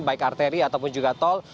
baik arteri ataupun juga tol